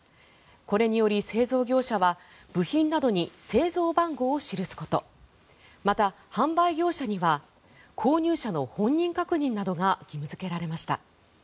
これにより製造業者は部品などに製造番号を記すことまた、販売業者には購入者の本人確認などが義務付けられました。